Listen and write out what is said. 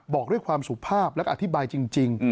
บอกด้วยความสุภาพและอธิบายจริง